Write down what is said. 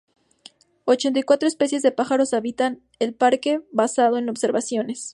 Ochenta y cuatro especies de pájaros habita el parque, basado en observaciones.